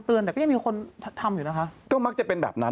เราก็เพลินด้วยหนูก็เพลินไปด้วย